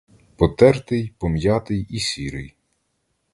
Потертий, пом'ятий і сірий.